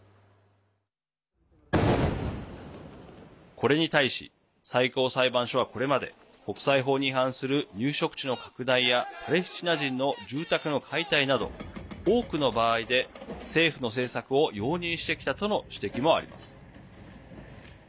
これに対し、最高裁判所はこれまで国際法に違反する入植地の拡大やパレスチナ人の住宅の解体など多くの場合で、政府の政策を容認してきたとの指摘もあります。